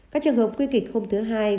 các trường hợp nguy kịch hôm thứ hai